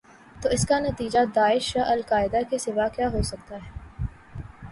تواس کا نتیجہ داعش یا القاعدہ کے سوا کیا ہو سکتا ہے؟